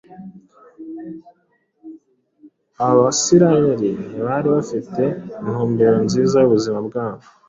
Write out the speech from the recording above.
Abisirayeli ntibari bafite intumbero nziza y’ubuzima bwabo